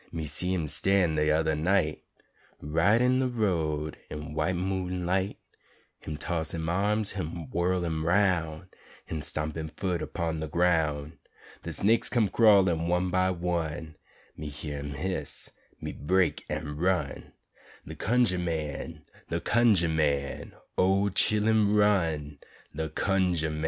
Me see him stan' de yudder night Right een de road een white moon light; Him toss him arms, him whirl him 'roun', Him stomp him foot urpon de groun'; De snaiks come crawlin', one by one, Me hyuh um hiss, me break an' run De Cunjah man, de Cunjah man, O chillen, run, de Cunjah man!